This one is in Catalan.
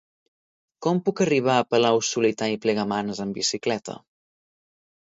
Com puc arribar a Palau-solità i Plegamans amb bicicleta?